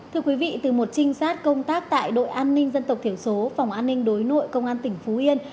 thưa quý vị từ một trinh sát công tác tại đội an ninh dân tộc thiểu số phòng an ninh đối nội công an tỉnh phú yên